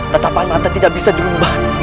tetapan mata tidak bisa dirubah